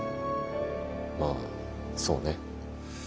まあそうね。